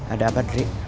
ada apa drik